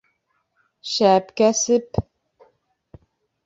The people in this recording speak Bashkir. Шәп кәсеп!